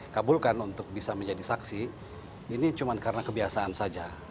kabulkan untuk bisa menjadi saksi ini cuma karena kebiasaan saja